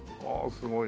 すごいね。